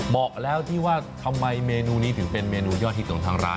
บอกแล้วที่ว่าทำไมเมนูนี้ถึงเป็นเมนูยอดฮิตของทางร้าน